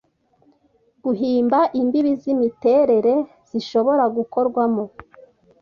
guhimba imbibi zimiterere zishobora gukorwamo